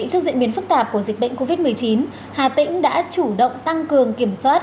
trước diễn biến phức tạp của dịch bệnh covid một mươi chín hà tĩnh đã chủ động tăng cường kiểm soát